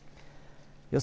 予想